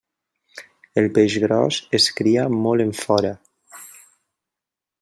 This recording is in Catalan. El peix gros es cria molt enfora.